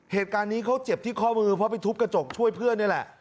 เหตุการณ์นี้เขาเจ็บที่ข้อมือเพราะไปทุบกระจกช่วยเพื่อนนี่แหละ